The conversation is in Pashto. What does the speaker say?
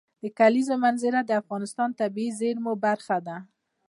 د کلیزو منظره د افغانستان د طبیعي زیرمو برخه ده.